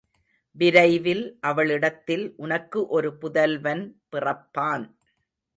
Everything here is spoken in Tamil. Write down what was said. விரைவில் அவளிடத்தில் உனக்கு ஒரு புதல்வன் பிறப்பான்.